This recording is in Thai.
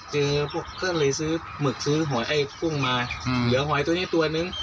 ก็เลยซื้อหมึกซื้อหอยไอ้กุ้งมาเหลือหอยตัวนี้ตัวนึง